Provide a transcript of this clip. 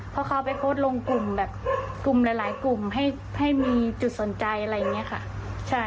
เพราะเขาไปโพสต์ลงกลุ่มแบบกลุ่มหลายกลุ่มให้มีจุดสนใจอะไรอย่างนี้ค่ะ